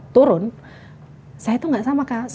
turun saya tuh gak sama